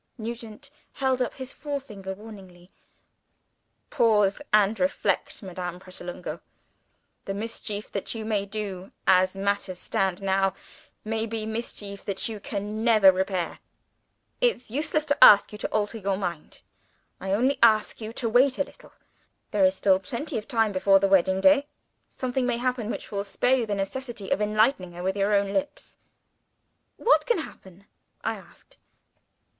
Nugent held up his forefinger, warningly. "Pause, and reflect, Madame Pratolungo! The mischief that you may do, as matters stand now, may be mischief that you can never repair. It's useless to ask you to alter your mind. I only ask you to wait a little. There is plenty of time before the wedding day. Something may happen which will spare you the necessity of enlightening Lucilla with your own lips." "What can happen?" I asked.